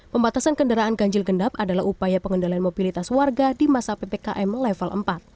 pembatasan kendaraan ganjil genap adalah upaya pengendalian mobilitas warga di masa ppkm level empat